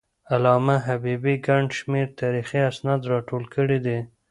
علامه حبيبي ګڼ شمېر تاریخي اسناد راټول کړي دي.